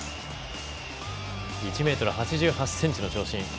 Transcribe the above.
１ｍ８８ｃｍの長身。